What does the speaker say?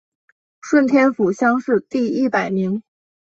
顺天府乡试第一百名。